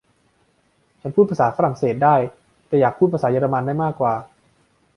ฉันพูดภาษาฝรั่งเศสได้ แต่อยากพูดภาษาเยอรมันได้มากกว่า